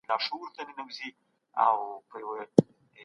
ولسي جرګه د فساد پر وړاندې مبارزه کوي.